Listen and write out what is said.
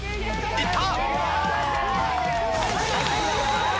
いった！